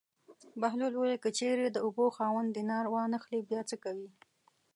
بهلول وویل: که چېرې د اوبو خاوند دینار وانه خلي بیا څه کوې.